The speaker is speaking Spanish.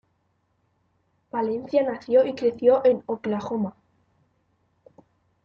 Palencia nació y creció en Oklahoma.